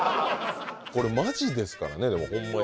これマジですからねでもホンマに。